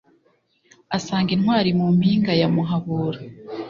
asanga intwari mu mpinga ya muhabura